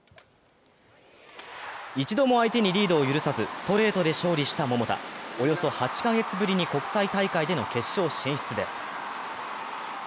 一度も相手にリードを許さずストレートで勝利した桃田、およそ８カ月ぶりに国際大会での決勝進出です。